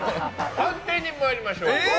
判定に参りましょう。